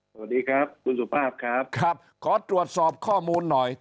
สวัสดีครับคุณสุภาพครับครับขอตรวจสอบข้อมูลหน่อย